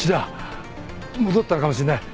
戻ったのかもしんない。